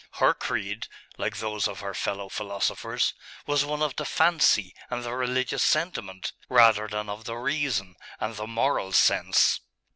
Her creed, like those of her fellow philosophers, was one of the fancy and the religious sentiment, rather than of the reason and the moral sense.